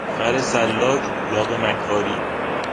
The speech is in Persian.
خر سلاک، الاغ مکاری